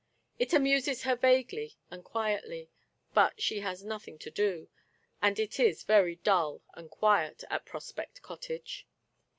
It amuses her vaguely and quietly, but she has nothing to do, and it is very dull and quiet at Prospect Cottage.